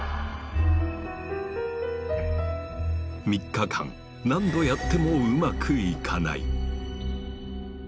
３日間何度やってもうまくいかない。